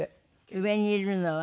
上にいるのは？